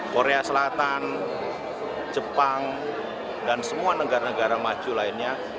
korea selatan jepang dan semua negara negara maju lainnya